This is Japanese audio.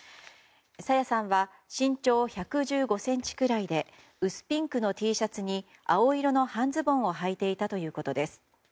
朝芽さんは身長１１５ｃｍくらいで薄ピンクのＴシャツに青色の半ズボンをはいていたということです。